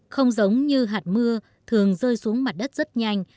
không giống như hạt mưa thường rơi xuống mặt đất rất nhanh